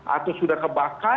atau sudah kebakaran